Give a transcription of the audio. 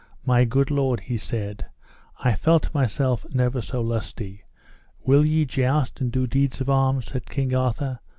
My good lord, he said, I felt myself never so lusty. Will ye joust and do deeds of arms? said King Arthur.